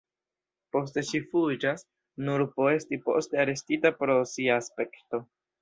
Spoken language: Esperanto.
Poste ŝi fuĝas, nur por esti poste arestita pro sia aspekto.